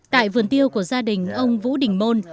tại vườn tiêu của gia đình ông vũ đình môn